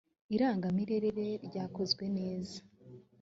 irangamimerere ryakozwe neza.